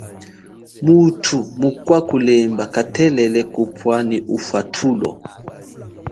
Muthu mukwa kulemba katelele kupwa nyi ufathulo.